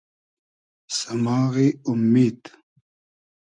سئماغی اومید